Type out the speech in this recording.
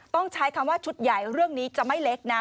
ต้องใช้คำว่าชุดใหญ่เรื่องนี้จะไม่เล็กนะ